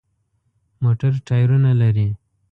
موټر ټایرونه لري.